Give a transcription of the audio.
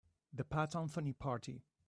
The Pat Anthony Party.